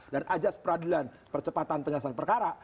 dan ajas peradilan percepatan penyelesaian perkara